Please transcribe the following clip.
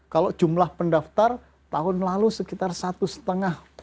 kalau jumlah pendaftar tahun lalu sekitar satu lima ratus